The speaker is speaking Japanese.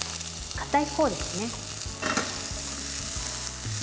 かたい方ですね。